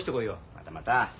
またまた。